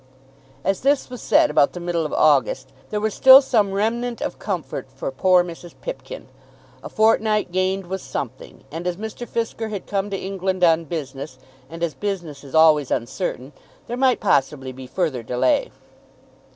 As this was said about the middle of August there was still some remnant of comfort for poor Mrs. Pipkin. A fortnight gained was something; and as Mr. Fisker had come to England on business, and as business is always uncertain, there might possibly be further delay.